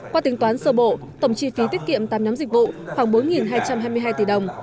qua tính toán sơ bộ tổng chi phí tiết kiệm tám nhóm dịch vụ khoảng bốn hai trăm hai mươi hai tỷ đồng